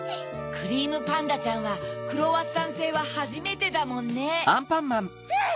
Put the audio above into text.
クリームパンダちゃんはクロワッサンせいははじめてだもんね。うん！